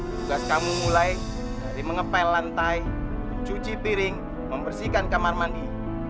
tugas kamu mulai dari mengepel lantai mencuci piring membersihkan kamar mandi